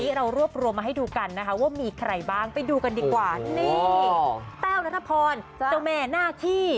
นี่เราร่วมมาให้ดูกันนะว่ามีใครบ้างนี่แน็ตนะภ่อนตัวแม่หน้าขี้